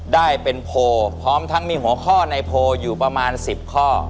ได้เป็นโพลพร้อมทั้งมีหัวข้อในโพลอยู่ประมาณ๑๐ข้อ